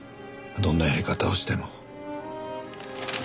どんなやり方をしても。